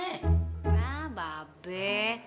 hah mbak be